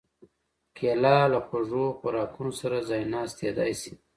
کېله له خوږو خوراکونو سره ځایناستېدای شي.